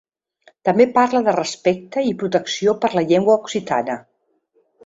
També parla de “respecte i protecció per la llengua occitana”.